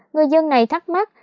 người dân này thắc mắc